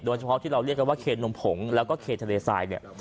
โดยเฉพาะที่เราเรียกว่าเคนมพงแล้วก็เคนทะเลไซน์เนี่ย